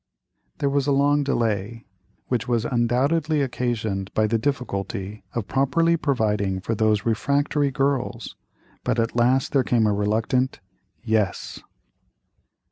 There was a long delay, which was undoubtedly occasioned by the difficulty of properly providing for those refractory girls, but at last there came a reluctant "Yes."